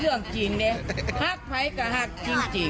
เศรษฐกิจจะดีขึ้นครับในโลกในลวงใจ